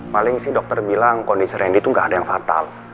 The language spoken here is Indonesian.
paling si dokter bilang kondisi randy itu gak ada yang fatal